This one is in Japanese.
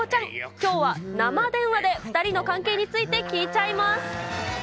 きょうは生電話で２人の関係について聞いちゃいます。